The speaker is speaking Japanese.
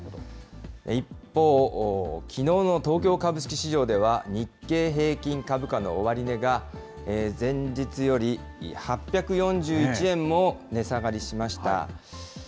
一方、きのうの東京株式市場では、日経平均株価の終値が、前日より８４１円も値下がりしました。